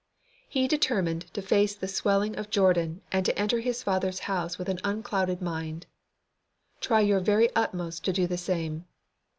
He determined to face the swelling of Jordan and to enter His Father's house with an unclouded mind. Try your very uttermost to do the same.